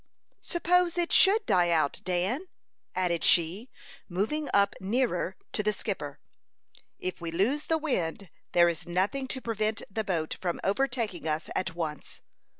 "Suppose it should die out, Dan?" added she, moving up nearer to the skipper. "If we lose the wind there is nothing to prevent the boat from overtaking us at once."